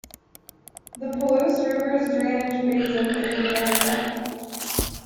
The Palouse River's drainage basin is in area.